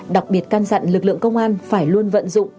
đặc biệt căn dặn lực lượng công an phải luôn vận dụng